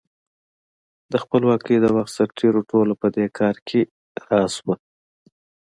د خپلواکۍ د وخت سرتېرو ټولنه په دې کار کې راس وه.